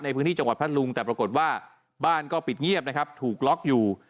ในพื้นที่จังหวัดพัทธลุงแต่ปรากฏว่าบ้านก็ปิดเงียบนะครับถูกล็อกอยู่